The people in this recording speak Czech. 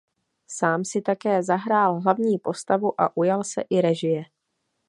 Sám si také zahrál hlavní postavu a ujal se i režie.